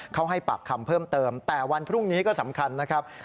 เขาให้ปากคำเพิ่มเติมแต่วันพรุ่งนี้ก็สำคัญนะครับ